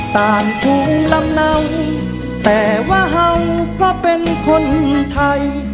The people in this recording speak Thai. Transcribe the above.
ตามภูมิลำเนาแต่ว่าเห่าก็เป็นคนไทย